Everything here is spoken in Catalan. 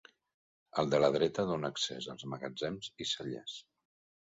El de la dreta dóna accés als magatzems i cellers.